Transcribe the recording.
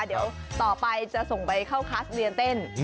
เดี๋ยวต่อไปจะส่งไปเข้าคลาสเรียนเต้น